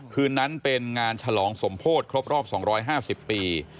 คืนนั้นเป็นงานฉลองสมโพธิครบรอบ๒๕๐ปี